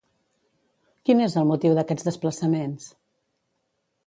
Quin és el motiu d'aquests desplaçaments?